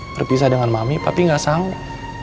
berpisah dengan mami papi gak sangu